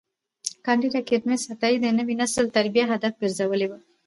کانديد اکاډميسن عطایي د نوي نسل تربیه هدف ګرځولي وه.